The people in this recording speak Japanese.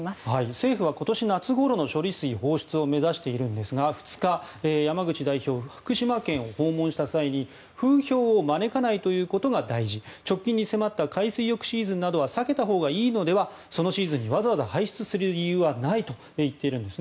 政府は今年夏ごろの処理水放出を目指しているんですが２日、山口代表は福島県を訪問した際に風評を招かないということが大事直近に迫った海水浴シーズンなどは避けたほうがいいのではそのシーズンにわざわざ排出する理由はないといっているんです。